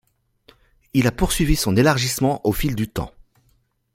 Il a poursuivi son élargissement au fil du temps.